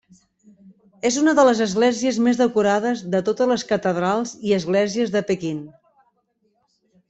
És una de les esglésies més decorades de totes les catedrals i esglésies de Pequín.